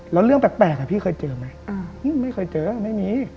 แล้วเรื่องแปลกพี่เคยเจอไหมไม่เคยเจอไม่มี